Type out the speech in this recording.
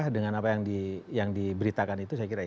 dengan apa yang diberitakan itu saya kira